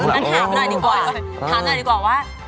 งั้นถามหน่อยดีกว่า